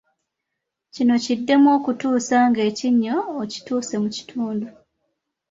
Kino kiddemu okutuusa nga ekinnya okituuse mu kitundu.